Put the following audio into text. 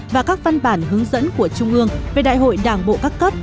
và các văn bản hướng dẫn của trung ương về đại hội đảng bộ các cấp